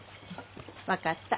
分かった。